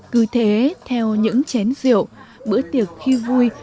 cứ thế theo những chén rượu bữa tiệc khi vui